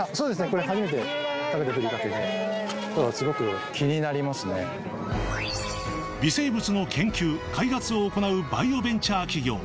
これ微生物の研究開発を行うバイオベンチャー企業